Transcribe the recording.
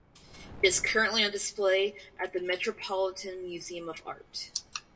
It is currently on display at the Metropolitan Museum of Art.